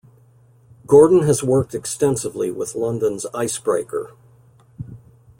Gordon has worked extensively with London's Icebreaker.